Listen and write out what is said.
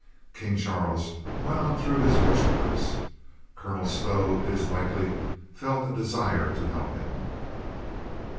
King Charles went on through his worshipers. Colonel Stow, it is likely, felt a desire to help him.